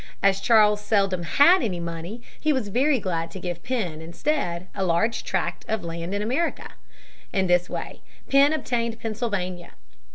As Charles seldom had any money, he was very glad to give Penn instead a large tract of land in America. In this way Penn obtained Pennsylvania.